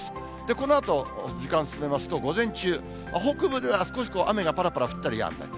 このあと時間進めますと、午前中、北部では少し雨がぱらぱら降ったりやんだり。